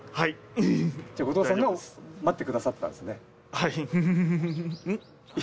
じゃ後藤さんが待ってくださってたんですね。